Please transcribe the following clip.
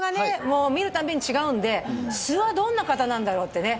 もう見る度に違うんで素はどんな方なんだろうってね